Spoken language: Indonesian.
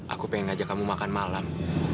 aku pengen ngajak kamu makan malam